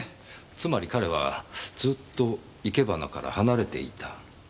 つまり彼はずっと生け花から離れていた。